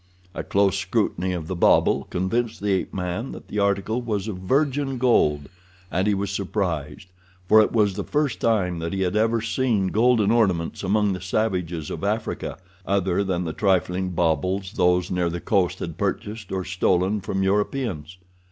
A close scrutiny of the bauble convinced the ape man that the article was of virgin gold, and he was surprised, for it was the first time that he had ever seen golden ornaments among the savages of Africa, other than the trifling baubles those near the coast had purchased or stolen from Europeans.